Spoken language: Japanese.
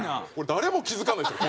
誰も気付かないですよ